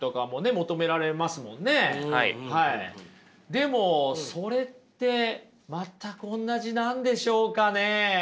でもそれって全くおんなじなんでしょうかね？